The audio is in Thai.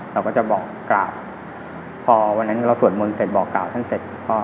เราก็จะบอกกล่าวพอวันนั้นเราส่วนเมืองเสร็จบอกกล่าวทั้งเสร็จ